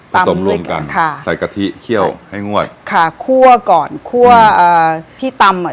สมรวมกันค่ะใส่กะทิเคี่ยวให้งวดค่ะคั่วก่อนคั่วเอ่อที่ตำอ่ะ